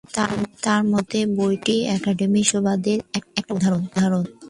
তার মতে বইটি একাডেমিক সাম্রাজ্যবাদের একটা উদাহরণ।